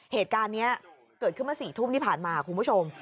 เหตุการณ์นี้เกิดขึ้นมา๔ทุ่มที่ผ่านมาคุณผู้ชม